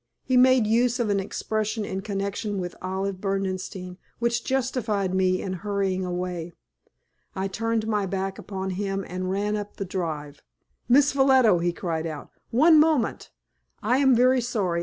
He made use of an expression in connection with Olive Berdenstein which justified me in hurrying away. I turned my back upon him and ran up the drive. "Miss Ffolliot," he cried out, "one moment; I am very sorry.